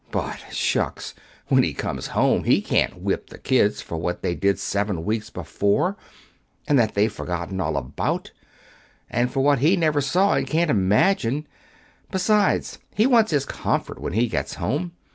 But shucks! When he comes home he can't whip the kids for what they did seven weeks before, and that they've forgotten all about, and for what he never saw, and can't imagine. Besides, he wants his comfort when he gets home.